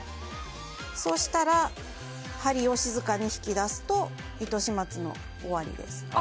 そうしたら針を静かに引き出すと糸始末の終わりです。